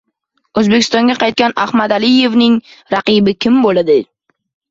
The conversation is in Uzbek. O‘zbekistonga qaytgan Ahmadaliyevning raqibi kim bo‘ladi?